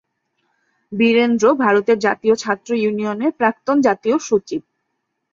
বীরেন্দ্র ভারতের জাতীয় ছাত্র ইউনিয়নের প্রাক্তন জাতীয় সচিব।